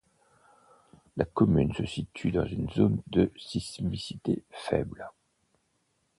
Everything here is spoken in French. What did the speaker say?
La commune se situe dans une zone de sismicité faible.